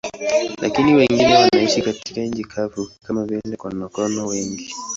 Lakini wengine wanaishi katika nchi kavu, kama vile konokono wengi.